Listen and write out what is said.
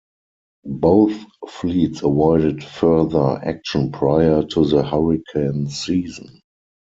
Both fleets avoided further action prior to the hurricane season.